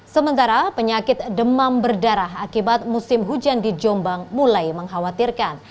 sementara penyakit demam berdarah akibat musim hujan di jombang mulai mengkhawatirkan